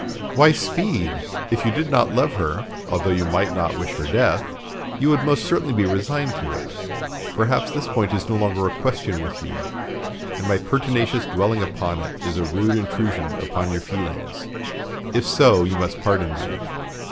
"Why, Speed, if you did not love her, although you might not wish her death, you would most certainly be resigned to it. Perhaps this point is no longer a question with you, and my pertinacious dwelling upon it is a rude intrusion upon your feelings. If so, you must pardon me.